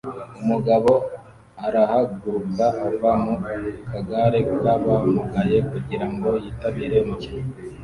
Umugabo arahaguruka ava mu kagare k'abamugaye kugira ngo yitabire umukino